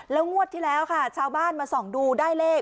แล้วงวดที่แล้วค่ะชาวบ้านมาส่องดูได้เลข